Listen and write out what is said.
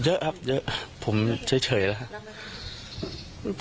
เยอะครับเยอะผมเฉยเฉยแล้ว